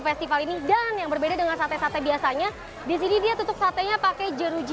festival ini dan yang berbeda dengan sate sate biasanya disini dia tutup satenya pakai jeruji